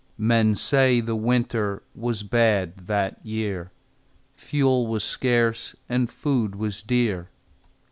Men say the winter Was bad that year; Fuel was scarce, And food was dear.